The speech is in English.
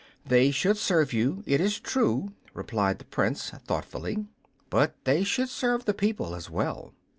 "They should serve you, it is true," replied the Prince, thoughtfully, "but they should serve the people as well."